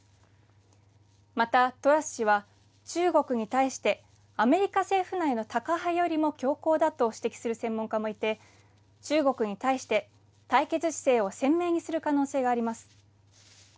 また、トラス氏は中国に対してアメリカ政府内のタカ派よりも強硬だと指摘する専門家もいて中国に対して、対決姿勢を鮮明にする可能性があります。